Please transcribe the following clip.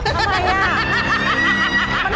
ทำไมน่ะ